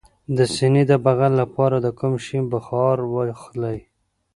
د سینې د بغل لپاره د کوم شي بخار واخلئ؟